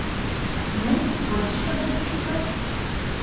Ну, пойдзеш работы шукаць?